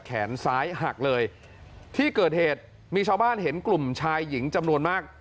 แขนซ้ายหักเลยที่เกิดเหตุมีชาวบ้านเห็นกลุ่มชายหญิงจำนวนมาก